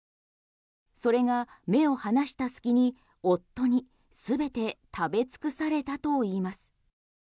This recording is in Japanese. それが目を離した隙に夫に全て食べ尽くされたといいます。